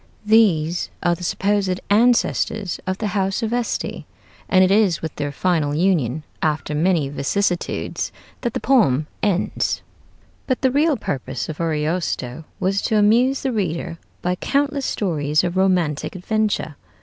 These are the supposed ancestors of the house of Este, and it is with their final union, after many vicissitudes, that the poem ends. But the real purpose of Ariosto was to amuse the reader by countless stories of romantic adventure.